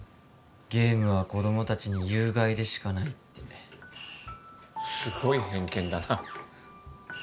ゲームは子供達に有害でしかないってすごい偏見だな